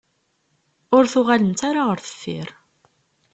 Ur tuγalemt ara γer deffir